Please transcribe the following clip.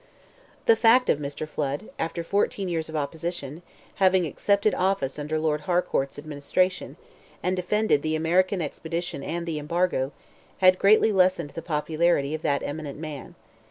The fact of Mr. Flood, after fourteen years of opposition, having accepted office under Lord Harcourt's administration, and defended the American expedition and the embargo, had greatly lessened the popularity of that eminent man.